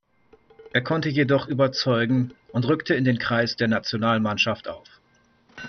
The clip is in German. Er konnte jedoch überzeugen und rückte in den Kreis der Nationalmannschaft auf.